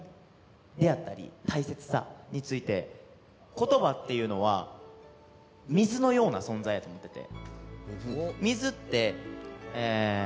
言葉っていうのは水のような存在やと思ってて。